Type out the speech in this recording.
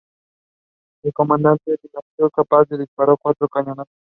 El comandante Dionisio Capaz disparó cuatro cañonazos.